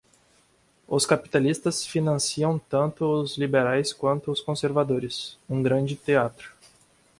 Os capitalistas financiam tanto os liberais quanto os conservadores, um grande teatro